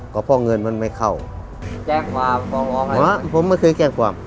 ก็เพราะเงินมันไม่เข้าแจ้งความผมไม่เคยแจ้งความ